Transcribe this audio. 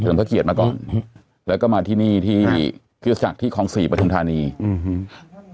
จนทะเกียจมาก่อนแล้วก็มาที่นี่ที่คือจากที่คองสี่ประชุมฐานีอื้อหือ